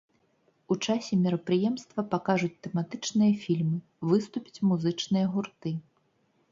У часе мерапрыемства пакажуць тэматычныя фільмы, выступяць музычныя гурты.